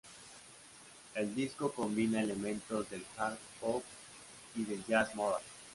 El disco combina elementos del hard bop y del jazz modal.